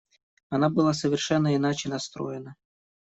Она была совершенно иначе настроена.